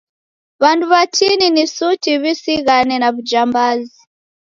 W'andu w'atini ni suti w'isighane na w'ujambazi.